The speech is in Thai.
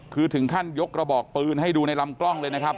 คือถึงขั้นยกระบอกปืนให้ดูในลำกล้องเลยนะครับ